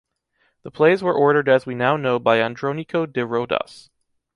The plays were ordered as we now know by Andrónico de Rodas.